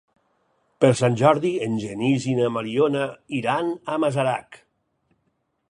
Per Sant Jordi en Genís i na Mariona iran a Masarac.